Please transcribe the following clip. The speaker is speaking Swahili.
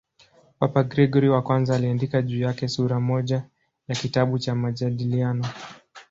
Papa Gregori I aliandika juu yake sura moja ya kitabu cha "Majadiliano".